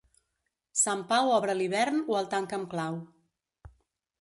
Sant Pau obre l'hivern o el tanca amb clau.